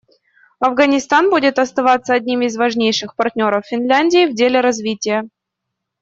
Афганистан будет оставаться одним из важнейших партнеров Финляндии в деле развития.